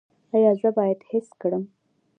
ایا زه باید حس کړم؟